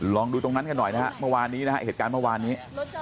ลองดูตรงนั้นกันหน่อยนะฮะเมื่อวานนี้นะฮะเหตุการณ์เมื่อวานนี้